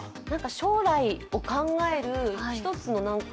将来を考える一つのなんか。